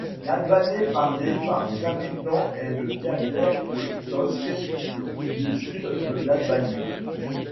L'albanais parlé par les habitants est le dialecte Toskë du sud de l'Albanie.